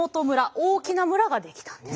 大きな村が出来たんです。